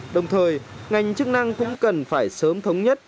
đồng thời ngành chức năng cũng cần phải sớm thống nhất